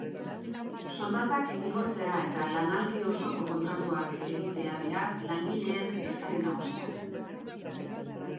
Soldatak igotzea eta lanaldi osoko kontratuak egitea dira langileen eskari nagusiak.